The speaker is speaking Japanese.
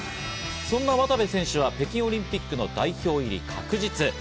そんな渡部選手は北京オリンピックの代表入り確実。